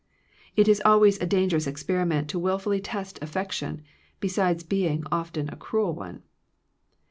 It is always a dangerous experiment to willfully test affection, besides being often a cruel one.